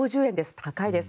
高いです。